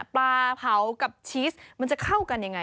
ปลาเผากับชีสมันจะเข้ากันยังไง